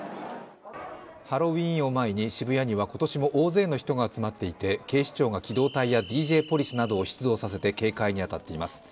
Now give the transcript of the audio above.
ハロウィーンを前に渋谷には今年も大勢の人が集まっていて警視庁が機動隊やＤＪポリスなどを出動させて警戒に当たっています。